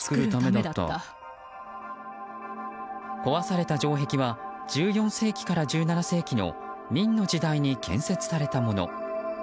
壊された城壁は１４世紀から１７世紀の明の時代に建設されたもの。